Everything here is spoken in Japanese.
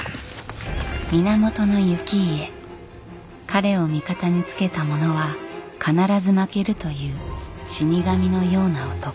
彼を味方につけた者は必ず負けるという死に神のような男。